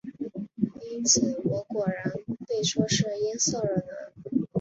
因此我果然被说是音色了呢。